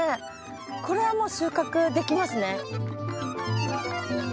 これはもう収穫できますね。